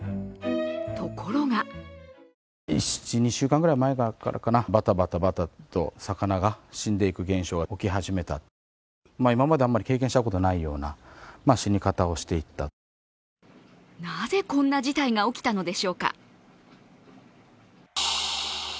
ところがなぜ、こんな事態が起きたのでしょうか。